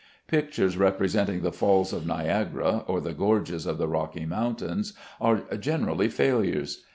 Pictures representing the Falls of Niagara or the gorges of the Rocky Mountains are generally failures.